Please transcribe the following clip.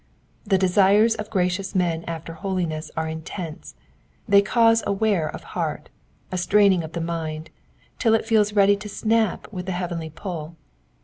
The desires of gracious men after holiness are intense, — they cause a wear of heart, a straining of the mind, till it feels ready to snap with the heavenly pull.